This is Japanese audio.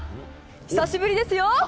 久しぶりですよ。